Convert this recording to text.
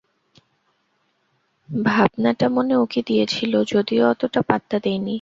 ভাবনাটা মনে উঁকি দিয়েছিল, যদিও অতটা পাত্তা দিইনি।